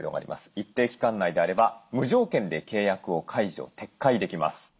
一定の期間内であれば無条件で契約を解除撤回できます。